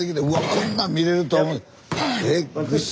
こんなん見れるとは。